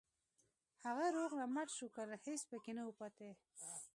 هغه روغ رمټ شو کنه هېڅ پکې نه وو پاتې.